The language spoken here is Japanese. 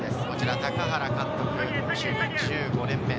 高原監督、就任１５年目。